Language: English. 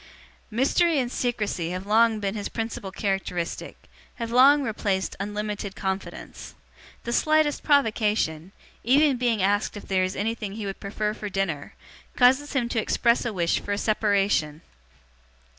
Mystery and secrecy have long been his principal characteristic, have long replaced unlimited confidence. The slightest provocation, even being asked if there is anything he would prefer for dinner, causes him to express a wish for a separation.